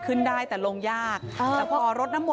อุทธิวัฒน์อิสธิวัฒน์